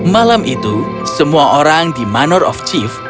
malam itu semua orang di manor of chief